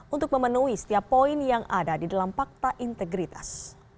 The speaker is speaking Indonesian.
untuk memenuhi setiap poin yang ada di dalam fakta integritas